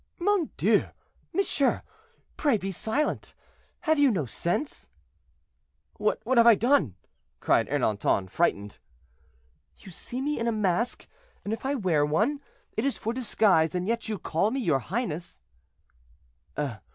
"Mon Dieu! monsieur, pray be silent. Have you no sense?" "What have I done?" cried Ernanton, frightened. "You see me in a mask, and if I wear one, it is for disguise, and yet you call me your highness."